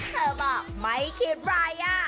เธอบอกไม่เคยร้าย